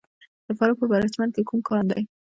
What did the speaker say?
د فراه په پرچمن کې کوم کان دی؟